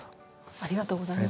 ありがとうございます。